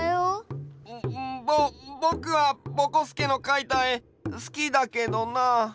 ボボクはぼこすけのかいたえすきだけどな。